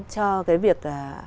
cho cái việc